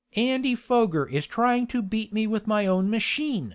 "Andy Foger is trying to beat me with my own machine!"